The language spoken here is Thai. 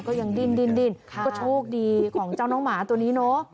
ก็ยังดิ้นดิ้นดิ้นค่ะก็โชคดีของเจ้าน้องหมาตัวนี้เนอะ